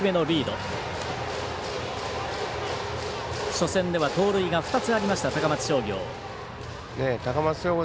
初戦では盗塁が２つありました高松商業。